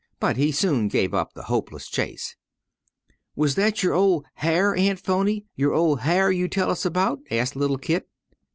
But he soon gave up the hopeless chase. "Was that your 'ol' Hyar',' Aunt 'Phrony; your ol' Hyar' you tell us all about?" asked little Kit.